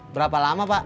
berapa lama pak